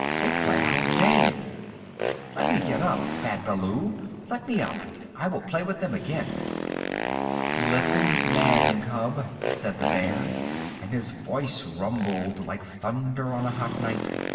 They play all day. Let me get up! Bad Baloo, let me up! I will play with them again." "Listen, man cub," said the Bear, and his voice rumbled like thunder on a hot night.